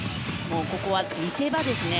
ここは見せ場ですね。